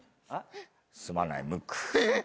すまないムック。